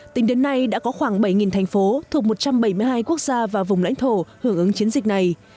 tính đến nay đã có khoảng bảy thành phố thuộc một trăm bảy mươi hai quốc gia và vùng lãnh thổ hưởng ứng chiến dịch này